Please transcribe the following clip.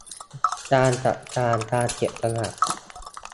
การจัดการการเก็บขยะ